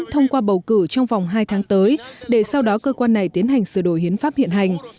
thông qua bầu cử trong vòng hai tháng tới để sau đó cơ quan này tiến hành sửa đổi hiến pháp hiện hành